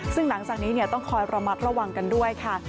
ซึ่งหลังจากนี้ต้องคอยระมัดระวังกันด้วยค่ะ